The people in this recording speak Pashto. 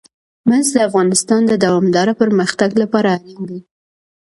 مس د افغانستان د دوامداره پرمختګ لپاره اړین دي.